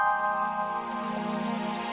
ipin dia kelihatan keren